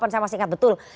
saya masih ingat betul